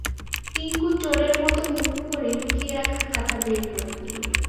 টিংকু চোরের মতো মুখ করে লুকিয়ে রাখা খাতা বের করে দিল।